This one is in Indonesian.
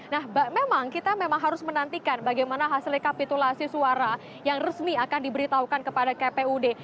nah memang kita memang harus menantikan bagaimana hasil rekapitulasi suara yang resmi akan diberitahukan kepada kpud